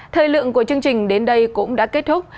thời lượng của chương trình đến đây cũng đã kết thúc